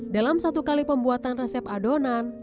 dalam satu kali pembuatan resep adonan